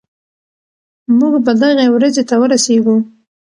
موږ به دغې ورځې ته ورسېږو.